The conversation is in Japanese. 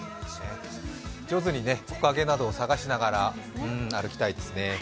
上手に木陰などを探しながら歩きたいですね。